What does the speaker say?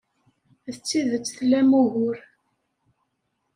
D tidet tlam ugur.